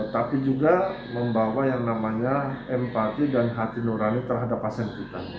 tapi juga membawa yang namanya empati dan hati nurani terhadap pasien kita